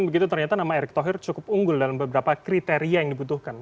dan begitu ternyata nama erik thohir cukup unggul dalam beberapa kriteria yang dibutuhkan